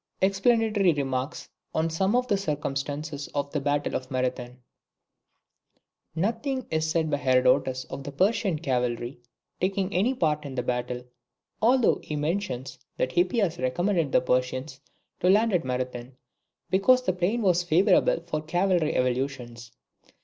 EXPLANATORY REMARKS ON SOME OF THE CIRCUMSTANCES OF THE BATTLE OF MARATHON. Nothing is said by Herodotus of the Persian cavalry taking any part in the battle, although he mentions that Hippias recommended the Persians to land at Marathon, because the plain was favourable for cavalry evolutions.